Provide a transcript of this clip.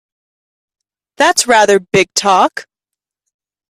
That's rather big talk!